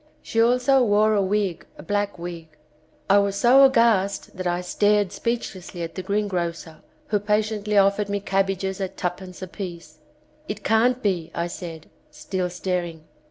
She also wore a wig, a black wig. I was so aghast that I stared speechlessly at the greengrocer who patiently offered me cab bages at "tuppence" a piece. "It can't be," I said, still staring.